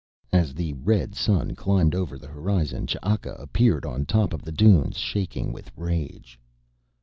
As the red sun climbed over the horizon Ch'aka appeared on top of the dunes, shaking with rage.